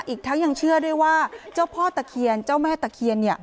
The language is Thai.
อีกทั้งยังเชื่อด้วยว่าเจ้าพ่อตะเคียนเจ้าแม่ตะเคียน